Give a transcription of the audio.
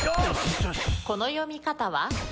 この読み方は？